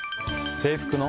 「制服の」